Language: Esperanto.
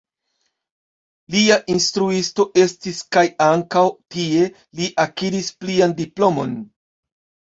Lia instruisto estis kaj ankaŭ tie li akiris plian diplomon.